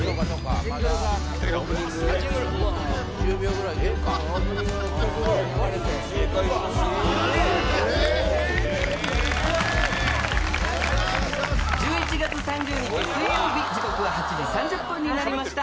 ふらっと１１月３０日水曜日時刻は８時３０分になりました